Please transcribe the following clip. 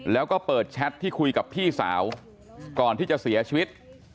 แล้วก็เปิดแชทที่คุยกับพี่สาวก่อนที่จะเสียชีวิต